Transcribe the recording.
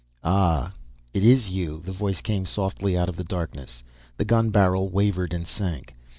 "Ahh, it is you " the voice came softly out of the darkness, the gun barrel wavered and sank.